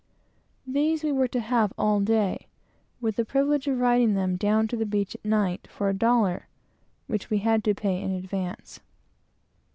These we were to have all day, with the privilege of riding them down to the beach at night, for a dollar, which we had to pay in advance.